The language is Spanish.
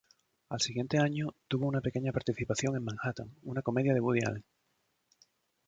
Al siguiente año, tuvo una pequeña participación en "Manhattan", una comedia de Woody Allen.